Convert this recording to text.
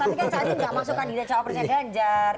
tapi kan cak ini enggak masuk kandidat cawapresnya ganjar